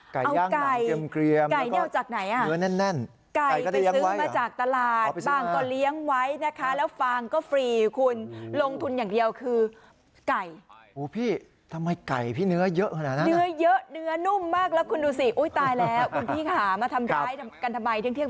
ไก่ย่างหลังเกรียมเกรียมไก่เนี่ยเอาจากไหนอ่ะเนื้อแน่นแน่นไก่ก็ได้เลี้ยงไว้อ่ะไก่ซื้อมาจากตลาดบ้างก็เลี้ยงไว้นะคะแล้วฟางก็ฟรีคุณลงทุนอย่างเดียวคือไก่อุ้วพี่ทำไมไก่พี่เนื้อเยอะแค่นั้นอ่ะเนื้อเยอะเนื้อนุ่มมากแล้วคุณดูสิอุ้ยตายแล้วคุณพี่ขามาทำร้ายกันทำไมเที่